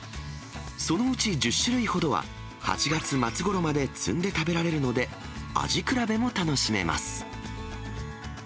そのうち１０種類ほどは、８月末ごろまで摘んで食べられるので、味比べも楽しめます。